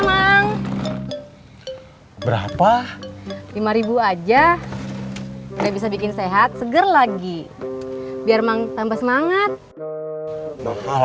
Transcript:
mang berapa lima ribu aja saya bisa bikin sehat seger lagi biar mang tambah semangat mahal